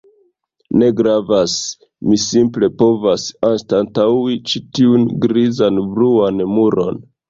Ne gravas. Mi simple povas anstataŭi ĉi tiun grizan bruan muron.